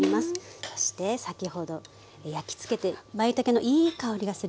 そして先ほど焼きつけてまいたけのいい香りがする。